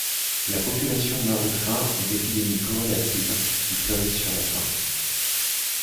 La population meurt de faim ou d'épidémies corrélatives, qui fleurissent sur la faim.